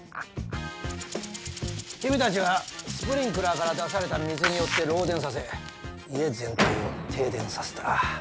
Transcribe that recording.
君たちはスプリンクラーから出された水によって漏電させ家全体を停電させた。